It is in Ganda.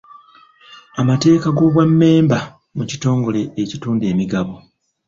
Amateeka g'obwa mmemba mu kitongole ekitunda emigabo.